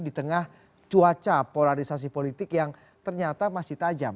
di tengah cuaca polarisasi politik yang ternyata masih tajam